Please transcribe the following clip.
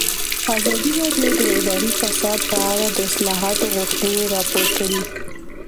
ازادي راډیو د اداري فساد په اړه د اصلاحاتو غوښتنې راپور کړې.